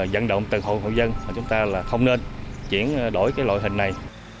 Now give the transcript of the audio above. dẫn động từ hội dân mà chúng ta là không nên chuyển đổi cái loại hình này